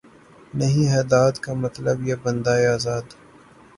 نہیں ہے داد کا طالب یہ بندۂ آزاد